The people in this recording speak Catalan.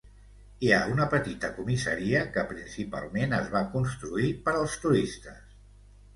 Hi ha una petita comissaria que principalment es va construir per als turistes.